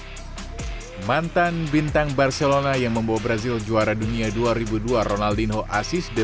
hai mantan bintang barcelona yang membawa brazil juara dunia dua ribu dua ronaldinho asis de